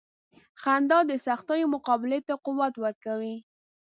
• خندا د سختیو مقابلې ته قوت ورکوي.